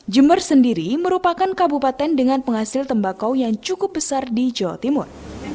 jember sendiri merupakan kabupaten dengan penghasil tembakau yang cukup besar di jawa timur